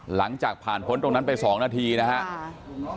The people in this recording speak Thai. หลังจากผ่านพ้นตรงนั้นไป๒นาทีนะครับ